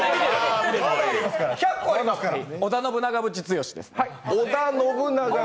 織田信長渕剛です。